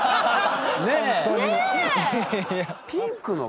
ねえ。